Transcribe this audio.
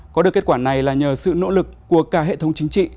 có được kết quả này là nhờ sự nỗ lực của cả hệ thống chính trị